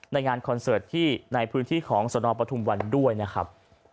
งานคอนเสิร์ตที่ในพื้นที่ของสนปทุมวันด้วยนะครับ